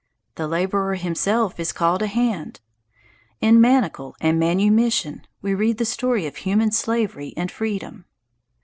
The labourer himself is called a hand. In _man_acle and _manu_mission we read the story of human slavery and freedom.